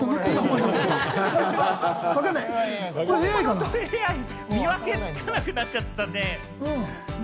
ホントＡＩ、見分けつかなくなっちゃってたね。